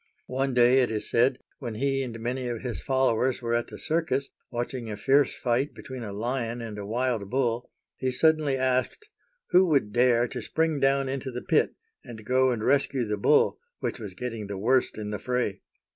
One day, it is said, when he and many of his followers were at the circus, watching a fierce fight between a lion and a wild bull, he suddenly asked who would dare to spring down into the pit, and go and rescue the bull, which was getting the worst in the fray.